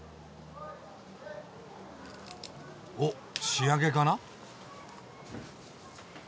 お仕上げかな？